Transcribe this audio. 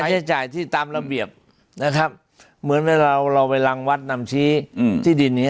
ใช้จ่ายที่ตามระเบียบนะครับเหมือนเวลาเราไปรังวัดนำชี้ที่ดินนี้